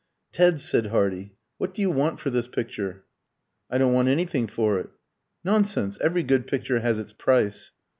"Ted," said Hardy, "what do you want for this picture?" "I don't want anything for it." "Nonsense! Every good picture has its price."